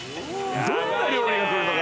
どんな料理が来るのか